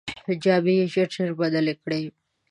جامې یې ژر ژر بدلې کړې.